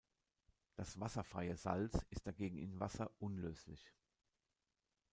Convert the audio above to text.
Das wasserfreie Salz ist dagegen in Wasser unlöslich.